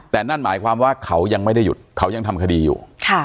แต่นั่นหมายความว่าเขายังไม่ได้หยุดเขายังทำคดีอยู่